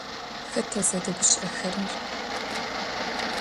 Xeta zedeguşı'exerer?